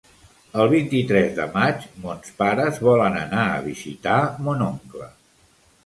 El vint-i-tres de maig mons pares volen anar a visitar mon oncle.